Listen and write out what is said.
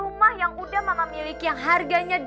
rumah yang udah mama miliki yang harganya dua m i